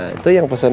itu yang pesan